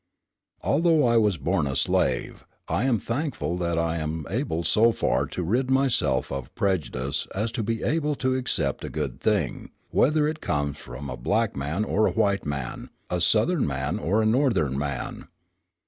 Although I was born a slave, I am thankful that I am able so far to rid myself of prejudice as to be able to accept a good thing, whether it comes from a black man or a white man, a Southern man or a Northern man.